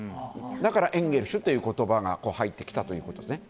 だからエンゲルシュという言葉が入ってきたということですね。